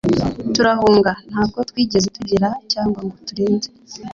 Turahunga ntabwo twigeze tugera cyangwa ngo turenze